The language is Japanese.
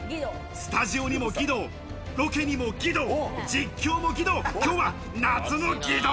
スタジオにも義堂、ロケにも義堂、実況も義堂。